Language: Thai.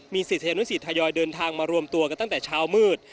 ศิษยานุสิตทยอยเดินทางมารวมตัวกันตั้งแต่เช้ามืด